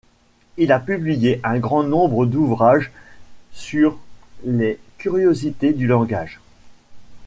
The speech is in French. Il a publié un grand nombre d'ouvrages sur les curiosités du langage.